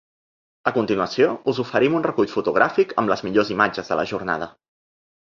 A continuació us oferim un recull fotogràfic amb les millors imatges de la jornada.